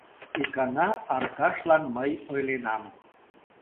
Икана Аркашлан мый ойленам: